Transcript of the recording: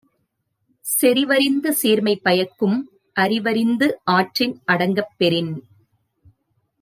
செறிவறிந்து சீர்மை பயக்கும் அறிவறிந்து ஆற்றின் அடங்கப் பெறின்